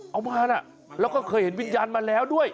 เอามานะแล้วก็เคยเห็นวิญญาณมาแล้วด้วย